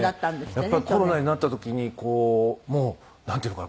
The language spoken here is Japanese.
やっぱりコロナになった時にこうもうなんていうのかな？